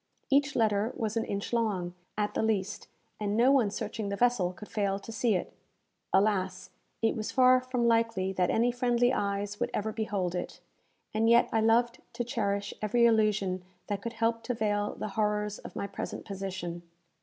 Each letter was an inch long, at the least, and no one searching the vessel could fail to see it. Alas! it was far from likely that any friendly eyes would ever behold it; and yet I loved to cherish every illusion that could help to veil the horrors of my present position.